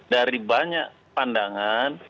dari banyak pandangan